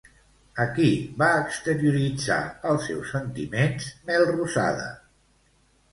A qui va exterioritzar els seus sentiments Melrosada?